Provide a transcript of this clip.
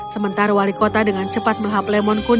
sementara wali kota dengan cepat melahap lemon pun